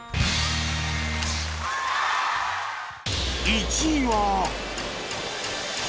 １位は